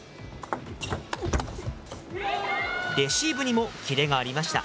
レシーブにもキレがありました。